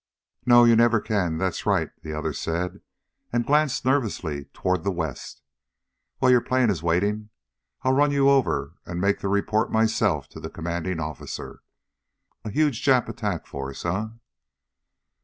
"No, you never can, that's right," the other said, and glanced nervously toward the west. "Well, your plane is waiting. I'll run you over, and make the report myself to the commanding officer. A huge Jap attack force, eh?"